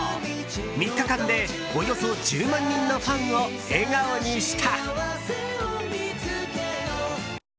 ３日間で、およそ１０万人のファンを笑顔にした。